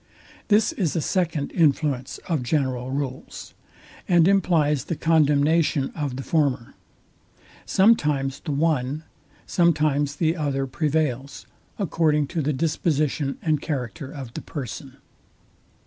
This is a second influence of general rules, and implies the condemnation of the former. Sometimes the one, sometimes the other prevails, according to the disposition and character of the person.